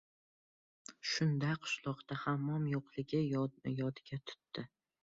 Shunda, qishloqda hammom yo‘qligi yodiga tutttdi.